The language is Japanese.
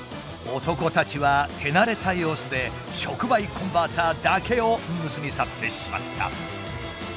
男たちは手慣れた様子で触媒コンバーターだけを盗み去ってしまった。